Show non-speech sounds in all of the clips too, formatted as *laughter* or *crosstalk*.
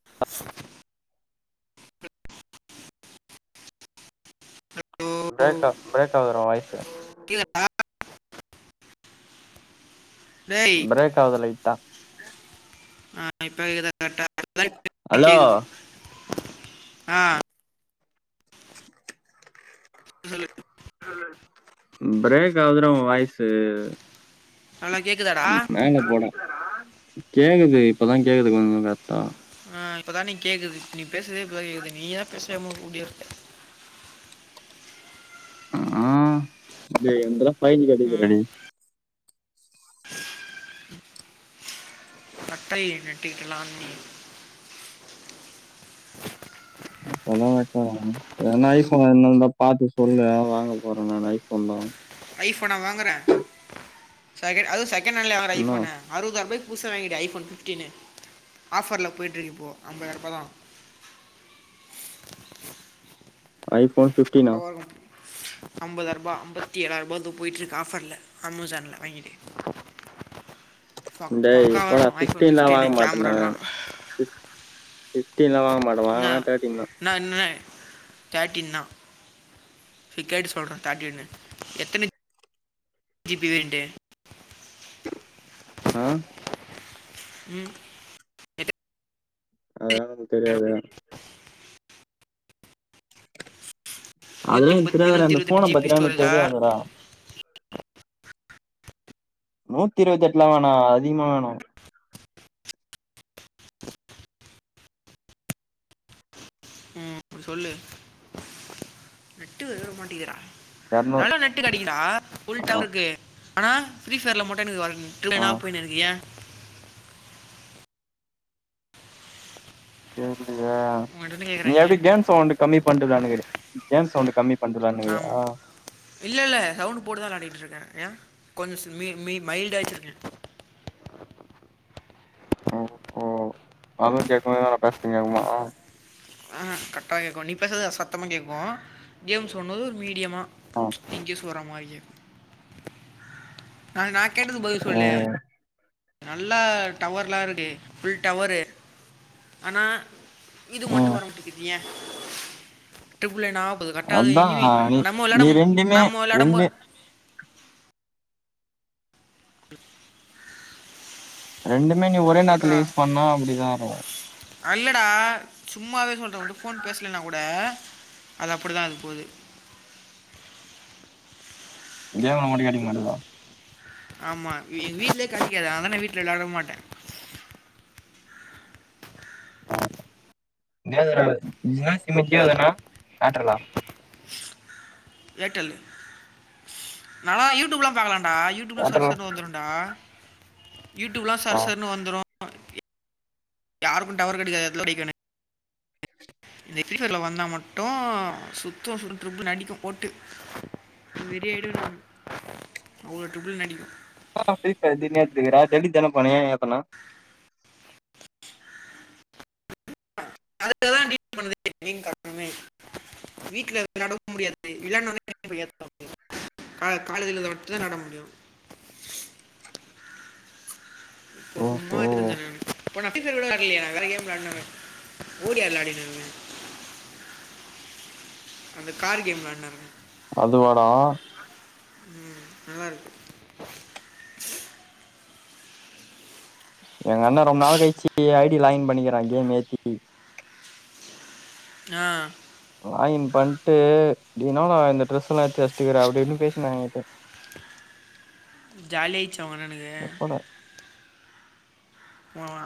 *inaudible* ஓ பிரேக்கா பிரேக் ஆகுற வாய்சு கீழ ப டேய் பிரேக் ஆகுது லைட்டா ஆ இப்ப கேக்குதா கரெக்டா நல்லா *inaudible* ஹலோ கேக்குது ஆ சொல்லு பிரேக் ஆவுதுடா ஒ வாய்ஸு ஹலோ கேக்குதா ம் மேங்க போன கேக்குது இப்பதா கேக்குது கொஞ்ச கொஞ்ச சத்தோ ஆ இப்பதா நீ கேக்குது நீ பேசுறதே இப்பதா கேக்குது நீயா பேசாம ஓடிருக்க ஆ டேய் அங்கதா ஃபைன் ம் கட்டிருக்குதுடி *inaudible* கட்டலையே நெட்டிக்கலா நீ அப்பல்லா வச்சாதா ஆவு எதனா ஐஃபோன் வந்துருந்தா பாத்து சொல்லு அதா வாங்க போற நானு ஐஃபோன்தா ஐஃபோனா வாங்குற செக அதுவும் செகன்ட் ஹேண்ட்லயா வாங்குற என்ன ஐஃபோனு அறுவதாபேக் புதுசா வாங்கிடு ஐஃபோன் ஃபிஃப்டீனு ஆஃபர்ல போயிட்டுருக்கு இப்போ அம்பதாயிரூபாதா ஐஃபோன் ஃபிஃப்டீனா பக்காவா இருக்கு அம்பதாயிருபா அம்பத்தி ஏழாயிருபா இதோ போயிட்டு இருக்கு ஆஃபர்ல அமூசான்ல வாங்கிடு டேய் போடா ஐஃபோன் ஃபிஃப்டீன்லா ஃபிஃப்டீனு வாங்க மாட்டன்டா நானு கேமராலாம் ஃபிப் ஃபிஃப்டீன்லா வாங்க மாட்ட வாங்குனா தேர்ட்டீன்தா நா இனிமே தேர்ட்டீன்தா சரி கேட்டு சொல்ற தேர்ட்டீனு எத்தன ஜிபி வேரியண்ட்டு ஆ ம் எத்தனை அதல்லா நமக்கு வேணும் தெரியாது அதல்லா நூற்றி எனக்கு ஐம்பத்தி தெரியாதுடா நூற்றி அந்த இருபத்தெட்டு போன ஜிபி பத்திலா எனக்கு ஸ்டோரேஜா தெரியாதுடா நூத்தி இருவத்தி எட்ல வேணா அதிகமா வேணு சொல்லு நெட்டே வேற மாட்டங்கிதுடா எரநூ நல்ல நெட் டு கெடைக்குண்டா ஃபுல் ஆ டவர் இருக்கு ஆனா ஃப்ரீஃபயர்ல மட்டும் ஆ எனக்கு *unintelligible* போயின்னு இருக்கு ஏ தெரிலையே உங்கள்கிட்ட நீ கேட்குறேன் எப்டி ஏன் கேம் சவுண்டு கம்மி பண்ட்டு வெளாண்டுக்குற கேம் சவுண்டு கம்மி *unintelligible* னிக்குற ஆ இல்ல இல்ல சவுண்டு போட்டுதா காட்டிட்டு இருக்கேன் ஏ கொஞ்ச சி மி மி மைல்டா வச்சிருக்க ஓஹோ அதும் செக் பண்ணிதா நா பேசுறது கேக்குமா கரெட்டா கேக்கும் நீ பேசுறது சத்தமா கேக்கும் கேம்ஸ் ஓட்னது ஒரு மீடியமா ஆ இங்கே சொல்ற மாரியே நா நா கேட்டதுக்கு பதில் ஓ சொல்லு நல்லா டவர்லா இருக்கு ஃபுல் டவரு ஆனா இது மட்டு ம் வர மாட்டுங்குது ஏ டிப்ளேனா இப்ப கரெக்டா அதா என்வி நீ நம்ம வெளயாட நீ ரெண்டுமே நம்ம வெளயாடும் ரெண்டு போது ப் ரெண்டுமே நீ ஒரே நேரத்துல யூஸ் பண்ணா அப்டிதா இருக்கு அல்லடா சும்மாவே சொல்ற வந்து ஃபோன் பேசலன்னா கூட அது அப்டி தா அது போது ஏ வந்து அடிக்க மாட்டேங்குறா ஆமா வீட்ல கெடைக்காது அதனால தா வீட்ல வெளையாட மாட்டே *unintelligible* ஏர்டெல் நல்லா யூடியூப்லா பாக்கலான்டா யூ டியூப் சர் ஏர்டெல்லா சர்னு வந்துருன்டா யூடியூப்லா ஆ சர் சர்னு வந்துரு யாருக்கு டவர் கெடைக்காதயெடத்துல கெடைக்கு எனக் இந்த பிரிஃபயர்ல வந்தா மட்டு சுத்து ஃபுல் டிரிப் அடிக்கு போட்டு விடியேடுகனா அவ்ளோ ட்ரிப்புள் நடிக்கு *unintelligible* அதுக்கான் தா டிம் பண்ணுதே நீங் காரணமே வீட்ல வெளையாடவே முடியாது விளையாடுணாலே *unintelligible* கா காலேஜில மட்டு தா வெளையாட முடியு இப்ப சும்மா ஓஹோ எடுத்துட்டு வந்த நானு இப்போ நா ஃபிரிஃபையர் கூட வெளையாடலையே வேற கேம் வெளையாடுனு ஓடியா வெளையாடிட்ருந்த அந்த கார் கேம் விளையாண்ட அதுவாடா ம் நல்லா இருக்கு எங்க அண்ண ரொம்ப நாள் கழிச்சு ஐடி லாகின் பண்ணியிருகிறா கேம் ஏத்தி ஆ லாகின் பண்ணிட்டு டூ யூ நோ நா இந்த டிரெஸ் எல்லா எடுத்து வச்சட்டுக்கிறே அப்டி இப்டின்னு பேசிட்டு இருந்தாங்க என்ட ஜாலியாச்சா ஒனக் எப்படா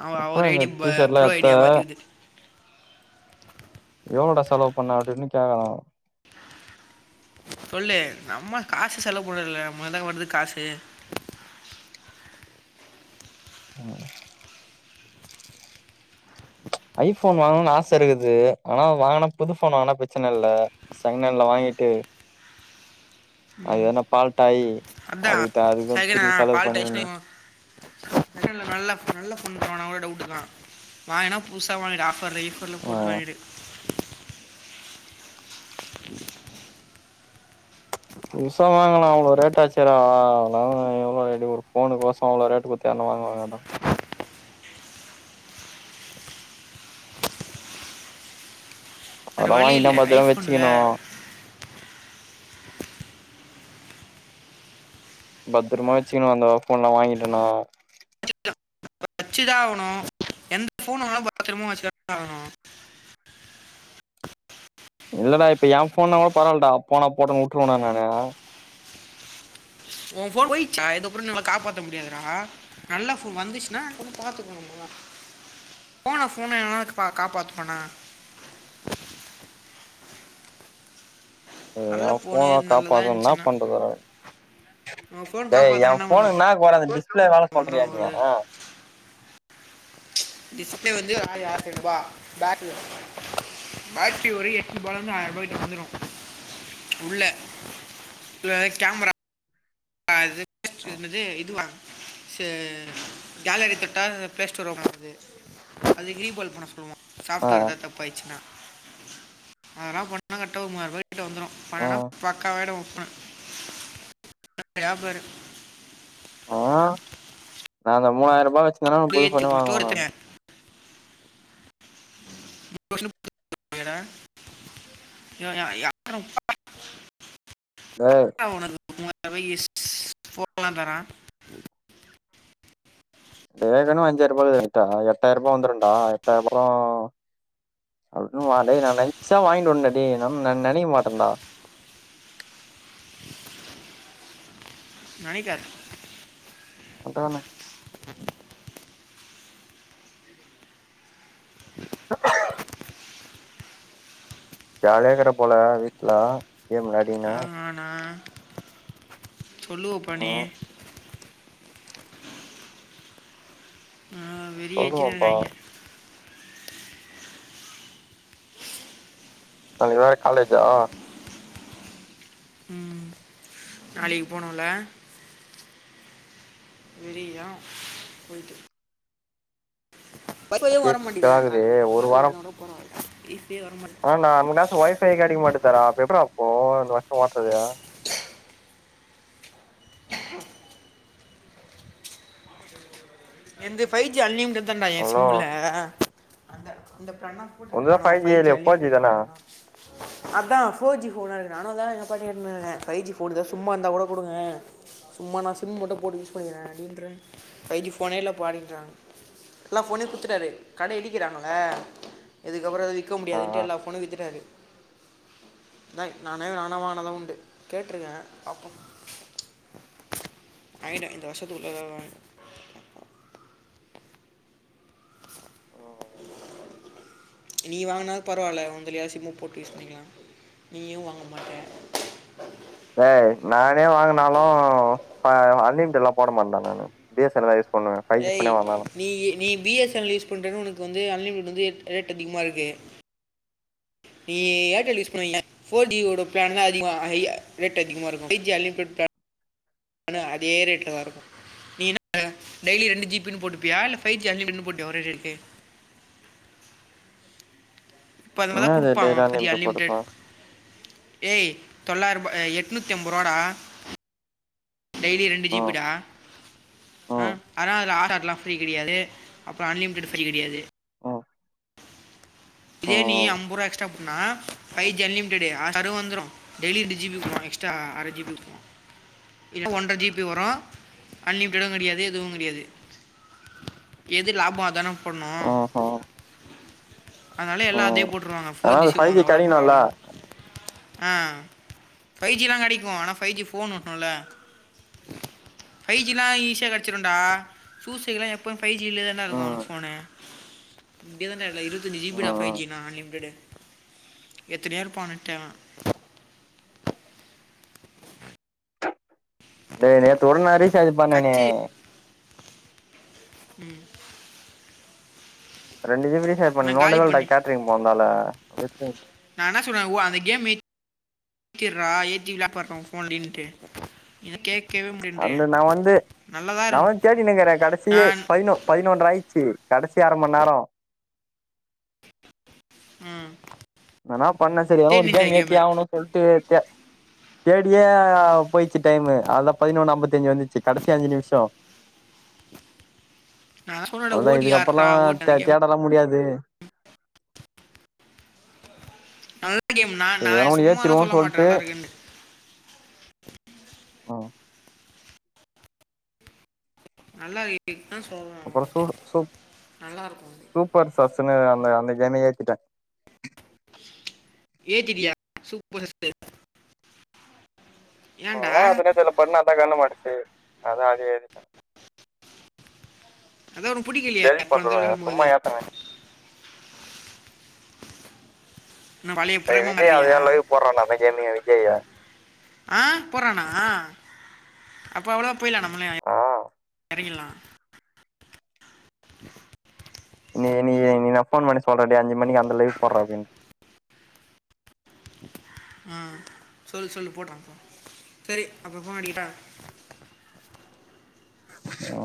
அவன் ஒரு எப்ப இந்த ஐடி டீ ஷர்ட்லா ப்ரோ எத்த ஐடியா பார்த்துக்குது எவ்ளோடா செலவு பண்ண அப்டியிப்டினு கேக்குறாங்க சொல்லு நம்ம காசு செலவு பண்றதில்ல நம்மல்தா வருது காசு ம் ஐபோன் வாங்கணுனு ஆச இருக்குது ஆனா வாங்கனா புது போன் வாங்குனா பிரச்சன இல்ல சங்கன்ல வாங்கிட்டு அது எதுனா பால்ட்டாயி அதா செகனா பால்டாயிசினா செகன்ல நல்ல நல்ல ஃபோன் தருவானா கூட டவுட்டு தா வாங்குனா புதுசா வாங்கிடு ஆஃபர்ல இஃபர்ல ஆ போட்டு வாங்கிடு புதுசா வாங்கலா அவ்ளோ ரேட்டா ஆச்சே டா அவளா எவ்ளோ ஒரு ஃபோனு கோச அவ்ளோ ரேட்டு கொடுத்து யாருனா வாங்கவாங்களா வேறு அதெல்லா வழி வாங்கிட்டா இல்லை பத்தரமா ஐஃபோனில் வெச்சிக்கணு பத்திரமா வச்சுக்கணு அந்த ஃபோன்லா வாங்கிடோனா வச்சுதா ஆகனு எந்த ஃபோன் வாங்குனாலு பத்ரமா வச்சு தா ஆகணு இல்லடா இப்ப எ போன்னா கூட பரவாலடா போன போட்டுன்னு வுட்டுருவ டா நானு உ போன் போயிச்சா இது அப்புற நம்மளா காப்பாத்த முடியாதுடா நல்லா ஃபோன் வந்துச்சுன்னா கொஞ்சம் பாத்துக்கணுதா போன போனை எவனாவது காப்பாத்துவானா ஆ ஏ நல்ல ஃபோனு ஃபோன நல்லதாக காப்பாத்த என்னா இருந்துச்சுன்னா பண்றது வேற உன் ஃபோன் டேய் ஏ காப்பாற்றணுன்னா ஃபோனுக்கு என்னா கொற அந்த டிஸ்பிளே வேல பண்றீயா ஒன்றும் நீயா ஒரு டிஸ்பிளே வந்து ஆயி ஆயிரத்தைனுபா பேட்ரி பேட்ரி ஒரு எட்ரூபாலேர்ந்து ஆயிரூபாக்கிட்ட வந்துரு உள்ள உள்ள கேமரா அது *inaudible* என்னது இதுவா சேர்ரா கேலரி தொட்டா பிளே ஸ்டோர் ஓப்பனாகுது அதுக் ரீபால் பண்ண சொல்லுவோ ஆ சாஃப்ட்வேர் ஏதாது தப்பாயிச்சுனா அதெல்லா பண்ணா கரெட்டா ஒரு மூவாயிரூபாய் கிட்ட வந்துரு ஆ பண்ணேன்னா ஆ பக்காவாயிடு ஓ ஃபோனு *inaudible* லேபரு ஆ நா அந்த மூவாயிரூபா வச்சிருந்தேனா அப்படியே புது ஃபோனே தூக்கலாம் வாங்குவ ஸ்டோர் எத்தனை நானு யாரும் இப்ப ஒன்னு புது *inaudible* *inaudible* யாரு ஏய் எவே ஒனக்கு மூவாரூவாய்க்கு ஃபோன்லா தரா ஏற்கனவே அஞ்சாயிரூபா ரைட்டா எட்டாயிரூபா வந்துருண்டா எட்டாயிரூபாலா அதுக்குன்னு வா டேய் நா நெனைச்சா வாயிண்டு வந்ட்ட டேய் நா நெனைக்க மாட்டண்டா நெனைக்காத ஒன்ட்ட நா ஜாலியாருக்கற போல வீட்ல ஏ முன்னா ஆ நா சொல்லுவப்பா நீ ம் வெறி ஏத்தின்னு சொல்லுவம்பா இருக்காய்ங்க நாளைக்கு வேற காலேஜா நாளைக்கு போனுல வெறிதா போய்ட்டு ஒய்ஃபையு அதே வரமாட்டிங்கிது சிக்கலாகுது காலேஜ்ல ஒரு ஒய்ஃபை வாரோ இருந்தா கூட போலா ஒய்ஃபையே வர மாட் ஆ நா அங்கனாச்சு ஒய்ஃபை கெடைக்கமாட்டிதேடா அப்ற எப்புரா போவு‌ இந்த வருஷ ஓட்றது என்து ஃபைஜி அன்லிமிடட் தாண்டா ஏ ஹலோ சிம்முல அந்த அந்த ப்ளானு போட்டுருக்க உன்துதா நானு ஃபைவ் ஃபை ஜி இல்லையா ஃபோர் அண்லிமிடட் தான பிளான்தா அதா ஃபோர் ஜி ஃபோனா இருக்கு நானு அதான எங்க அப்பாட்ட கேட்னு இருக்க ஃபைஜி ஃபோன் எதா சும்மாருந்தா கூட குடுங்க சும்மா நா சிம் மட்டு போட்டு யூஸ் பண்ணிக்கிற அப்டின்ற ஃபை ஜி ஃபோனே இல்லப்பா அப்டின்றாங்க எல்லா ஃபோனையு குடுத்துட்டாரு கட இடிக்கிறாங்கல்ல இதுக்கப்புற அத விக்க ஆ முடியாதுன்ட்டு ஆ எல்லா ஃபோனையு வித்துட்டாரு அதா நானே நானா வாங்குனதா உண்டு கேட்ருக்க பாப்போ வாங்கிடுவ இந்த வருஷத்துக்குள்ள எதாது வாங்கி ஓ நீ வாங்குனாது பரவால்ல ஒன்துலாயாது சிம்மு போட்டு யூஸ் பண்ணிக்கலா நீயு வாங்க மாட்ட டேய் நானே வாங்குனாலு இப்ப அன்லிமிட்டடுலா போட மாட்ட நானு பி எஸ் என் எல் தா யூஸ் பண்ணுவ ஏய் நீயி நீ B S N L use பன்றன்னு ஒனக்கு வந்து அன்லிமிட்டட் வந்து ரே ரேட் அதிகமா இருக்கு நீ ஏர்டெல் யூஸ் பண்ணுவீங்களா ஃபோர் டி ஓட பிளான் லா அதிகோ ஐ ரேட் அதிகமா இருக்கும் ஃபைவ்ஜி அன்லிமிடெட் பிளான் ஆனா அதே ரேட்ல தா இருக்கு நீ என்ன டெய்லி ரெண்டு ஜிபினு போட்டுபியா இல்ல ஃபைஜி அன்லிமிட்னு போட்டியா ஒரே ரேட்கே இப்ப அதமாதிதா என்னது குடுப்பா அவே டெய்லி ஃபை ஜி அன்லிமிடெட் போட்டுப்ப அன்லிமிடட் ஏய் தொள்ளாயிரூப எ எட்னுத்தி அம்ப ரூவாடா டெய்லி ரெண்டு ஜீபி ம் டா ஆ ம் ஆனா அதுல ஆர் டாட்லா ஃப்ரீ கெடையாது அப்ப அன்லிமிடட் ஃப்ரீ கெடையாது ம் இதே நீ ம் அம்ப ரூவா எக்ஸ்ட்ரா போட்னா ஃபைவ்ஜி அன்லிமிடட்டு ஆர் ஹாரு வந்துரு டெய்லி ரெண்டு ஜிபி உடுவா எக்ஸ்ட்ரா அர ஜிபி உட்ருவா இது க்கு ஒன்ற ஜிபி வரு அன்லிமிடடு கெடயாது எதுவு கெடயாது எது லாபோ அதான போட்னு ம் ம் அதனால எல்லா அதயே ம் போட்டுருவாங்க ஆனா ஃபோர் ஜி அது சிம் ஃபைவ் வாங்னா கூட கெடைக்கணுல்ல பரவாலன்டு அ ஃபைவ் ஜிலாம் கெடைக்கு ஆனா ஃபைவ்ஜி ஃபோனு ஒட்னுல ஃபை ஜிலா ஈசியா கெடச்சிருண்டா சூஸ்சிலாம் எப் இப்ப ஃபைவ் ஜி இதுலே தாடா ம் இருக்கு ஃபோன்னு இப்டி தான் டா இது இரு ஜிபிடா ம் ஃபைவ் ம் ஜி னா அன்லிமிட்டடு எத்துனே இருப்பா நெட்டலா டேய் நேத்து கூட ஒருநாள் ரீச்சார்ஜ் பன்னனே ம் ரெண்டு ஜிபி ரீச்சார்ஜ் பன்னு நான் காலி நோண்டவே இல்லடா பண்ணு கேட்ரிங் போனனால கேட்ரிங் நா என்ன சொல்ற ஓ அந்த கேம் மெய்க் ஏத்திற்றா ஏத்தி விளாட்பார்டு உன் ஃபோன்லேன்ட்டு இத கேட்கவே முடி அந்த நா வந்து நா வந்து தேடினுருக்குறே கடைசி நான் பதினொ பதினொன்ற ஆயிச்சு கடசி அரமண் நேரம் உம் எதனா பண்ண சரி ஏதனா ஒரு கேம் ஏத்தி ஆவணு சொல்ட்டு தே தேடியே அ போய்ச்சு டைமு அவ்லோத பதினொன்னு அம்பத்தெஞ்சு வந்துச்சு கடசியா அஞ்சு நிம்ஷோ நா சொன்னல்ல ஓட்டி ஆர்டா ஓட்டு அன்னக்கே தர முடியாது நல்ல கேம் நா நா சரி எதனா ஒன்னு சும்மாலா சொல்ல ஏத்திருவோன்னு மாட்டே சொல்ட்டு நல்லா இருக்குன்டு ம் நல்லாஇருக்கி இதுக்குதா சொல்ற நா அப்புறோ உகிட்ட நல்லா இருக்கு இப்பர் சஸ்ன்னு அந்த அந்த கேமேயே ஏத்திட்டே ஏத்திட்டயா சூப்பர் *unintelligible* ஏன்டா இல்ல இல்ல பன்ன அதா கண்ல மாட்டுச்சி அதா அதே ஏத்திட்டே அதா ஒனக்கு புடிக்கலீயே டெலிட் போனதடவ பண்றுவே வெளாடு போது சும்மா ஏத்துனே நான் பழைய சரி பிரேம விஜய் அதே மாதிரியா லைவு போடறான்ல அதா கேமியே விஜய்ய ஆ போறானா அப்ப அவ்வளதா போய்லா நம்மலே ஆயி ஆ எறக்கில்லா *inaudible* இன்னிகி இன்னிகி இன்னிகி நா ஃபோன் பண்ணி சொல்ற டேய் அஞ்சு மணிக்கு அந்த லைவு போட்றா அப்பின் ம் சொல்லு சொல்லு போட்றா போ செரி அப்பற ஃபோன் அடிகட்டா ஓ